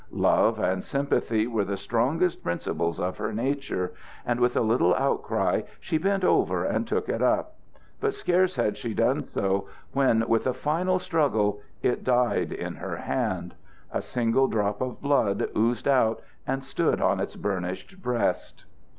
Love and sympathy were the strongest principles of her nature, and with a little outcry she bent over and took it up; but scarce had she done so, when, with a final struggle, it died in her hand. A single drop of blood oozed out and stood on its burnished breast.